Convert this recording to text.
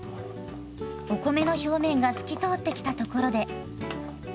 お米の表面が透き通ってきたところで。